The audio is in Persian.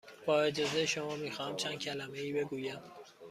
با اجازه شما، می خواهم چند کلمه بگویم.